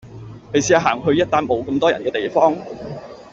你試吓行去一笪冇咁多人嘅地方